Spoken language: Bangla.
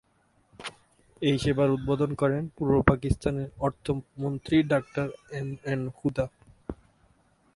এই সেবার উদ্বোধন করেন পূর্ব পাকিস্তানের অর্থ মন্ত্রী ডাক্তার এম এন হুদা।